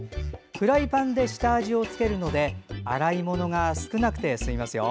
フライパンで下味をつけるので洗い物が少なくて済みますよ。